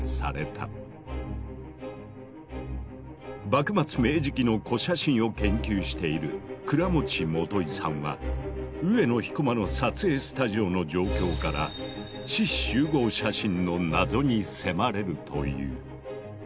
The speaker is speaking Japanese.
幕末・明治期の古写真を研究している倉持基さんは上野彦馬の撮影スタジオの状況から志士集合写真の謎に迫れると言う。